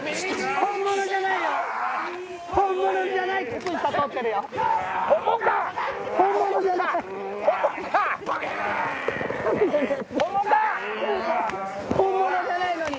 本物か⁉本物じゃないのに！